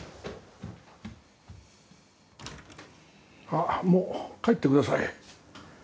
ああもう帰ってください。